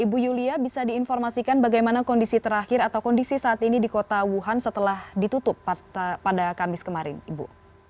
ibu yulia bisa diinformasikan bagaimana kondisi terakhir atau kondisi saat ini di kota wuhan setelah ditutup pada kamis kemarin ibu